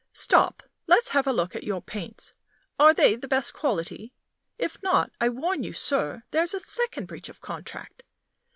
Stop! let's have a look at your paints. Are they the best quality? If not, I warn you, sir, there's a second breach of contract!